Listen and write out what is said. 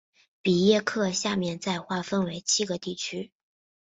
比耶克下面再划分为七个地区。